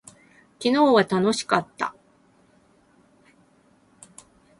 昨日は楽しかった。